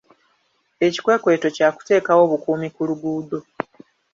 Ekikwekweto kya kuteekawo bukuumi ku luguudo.